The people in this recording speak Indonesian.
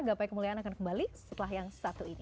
gapai kemuliaan akan kembali setelah yang satu ini